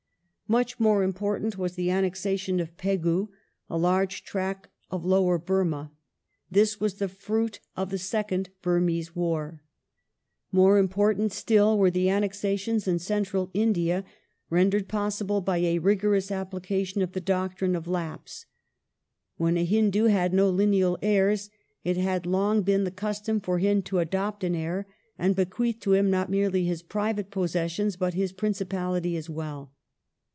Much more important was the annexation of Pegu, a large tract of lower Burmah. This was the fruit of the second Burmese War. The doc More important still were the annexations in Central India rendered possible by a rigorous application of the doctrine of " Lapse ". When a Hindu had no lineal heii s it had long been the custom for him to " adopt " an heir and bequeath to him not merely his private possessions, but his principality as well.